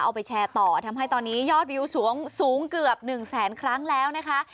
เอาไปแชร์ต่อทำให้ตอนนี้ยอดวิวสูงเกือบ๑แสนครั้งแล้วนะคะ